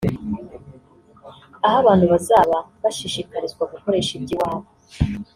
aaho abantu bazaba bashishikarizwa gukoresha iby’iwabo